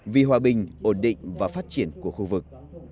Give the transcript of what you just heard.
vì hòa bình ổn định và phát triển của khu vực